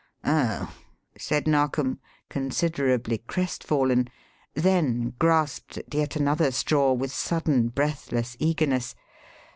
'" "Oh!" said Narkom, considerably crestfallen; then grasped at yet another straw with sudden, breathless eagerness.